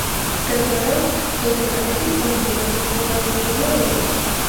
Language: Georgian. მდებარეობს დოდეკანესის კუნძულებზე, მთავარი კუნძულია როდოსი.